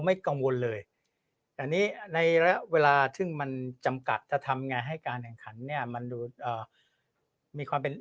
ไม่กังวลเลยตอนนี้ในว่าที่มันจำกัดจะทำงานให้การแห่งงานเนี่ยมันมีความเป็น